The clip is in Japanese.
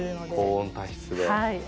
高温多湿で。